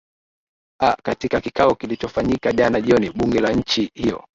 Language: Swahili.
a katika kikao kilichofanyika jana jioni bunge la nchi hiyo